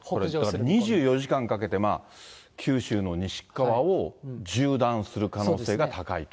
だから２４時間かけて、九州の西っかわを縦断する可能性が高いと。